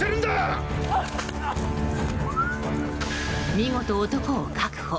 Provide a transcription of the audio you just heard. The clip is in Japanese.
見事、男を確保。